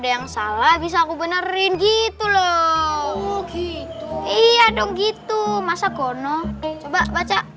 ada yang salah bisa aku benerin gitu loh gitu iya dong gitu masa gono coba baca